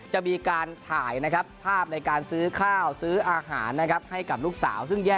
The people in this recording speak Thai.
จะมีการถ่ายภาพในการซื้อข้าวซื้ออาหารให้กับลูกสาว